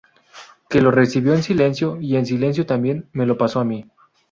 que lo recibió en silencio, y, en silencio también, me lo pasó a mí.